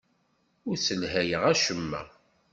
Ur sselhayeɣ acemma.